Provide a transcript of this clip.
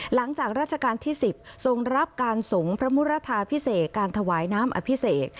หลังจากราชการที่๑๐ทรงรับการสงฆ์พระมุรทาพิเศษการถวายน้ำอภิเษก